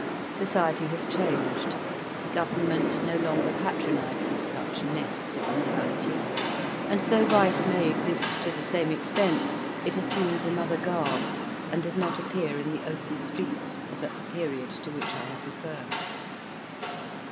Society has changed; Government no longer patronizes such nests of immorality; and though vice may exist to the same extent, it assumes another garb, and does not appear in the open streets, as at the period to which I have referred.